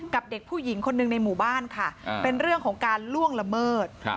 เด็กผู้หญิงคนหนึ่งในหมู่บ้านค่ะเป็นเรื่องของการล่วงละเมิด